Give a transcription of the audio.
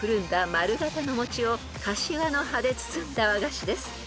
丸形の餅をカシワの葉で包んだ和菓子です］